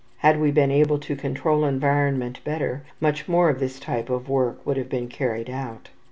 Had we been able to control environment better, much more of this type of work would have been carried out.